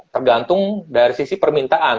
tergantung dari sisi permintaan